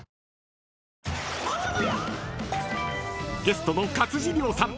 ［ゲストの勝地涼さん